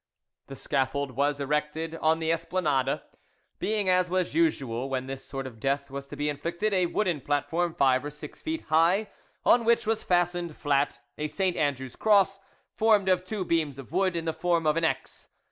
The scaffold was erected on the Esplanade: being, as was usual when this sort of death was to be inflicted, a wooden platform five or six feet high, on which was fastened flat a St. Andrew's cross, formed of two beams of wood in the form of an X.